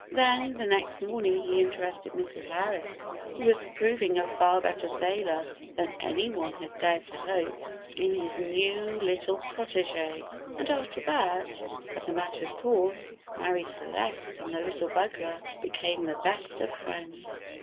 Then the next morning he interested Mrs. Harris (who was proving a far better sailor than any one had dared to hope) in his new little protégé, and after that, as a matter of course, Marie Celeste and the little bugler became the best of friends.